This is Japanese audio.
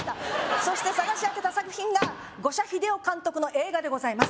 そして探し当てた作品が五社英雄監督の映画でございます